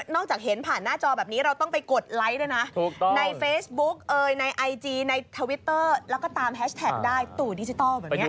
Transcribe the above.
นอกจากเห็นผ่านหน้าจอแบบนี้เราต้องไปกดไลค์ด้วยนะ